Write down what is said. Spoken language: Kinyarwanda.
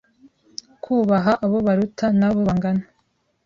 kubaha abo baruta n’abo bangana.